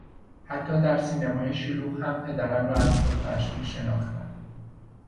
حتی در سینمای شلوغ هم پدرم را از سرفهاش میشناختم.